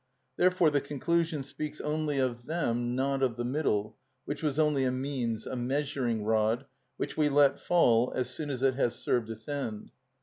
Therefore the conclusion speaks only of them, not of the middle, which was only a means, a measuring rod, which we let fall as soon as it has served its end.